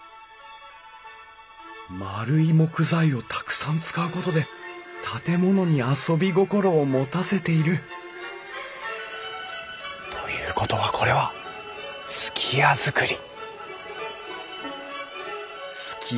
丸い木材をたくさん使うことで建物に遊び心を持たせているということはこれは数寄屋造り。